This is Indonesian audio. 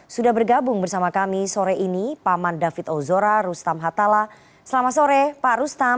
sudah bergabung bersama kami sore ini paman david ozora rustam hatala selamat sore pak rustam